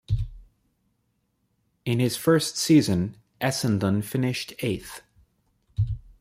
In his first season, Essendon finished eighth.